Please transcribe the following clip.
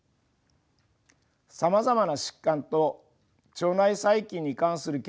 さまざまな疾患と腸内細菌に関する研究が実施されています。